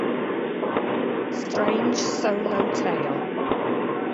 Strange solo tale.